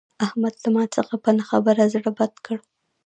احمد له ما څخه په نه خبره زړه بد کړ.